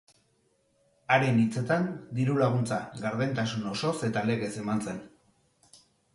Haren hitzetan, diru-laguntza gardentasun osoz eta legez eman zen.